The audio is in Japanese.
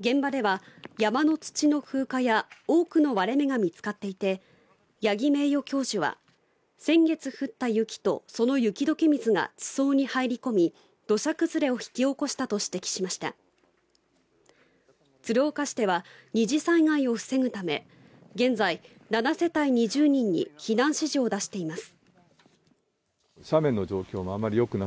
現場では山の土の風化や多くの割れ目が見つかっていて八木名誉教授は先月降った雪とその雪解け水が地層に入り込み土砂崩れを引き起こしたと指摘しました鶴岡市では２次災害を防ぐため現在７世帯２０人に避難指示を出しています